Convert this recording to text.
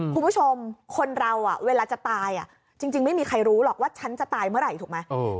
คุณผู้ชมคนเราเวลาจะตายจริงไม่มีใครรู้หรอกว่าฉันจะตายเมื่อไหร่ถูกไหม